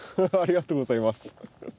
ありがとうございます。